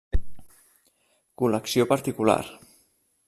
Col·lecció particular.